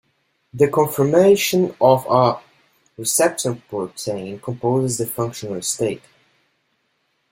The conformation of a receptor protein composes the functional state.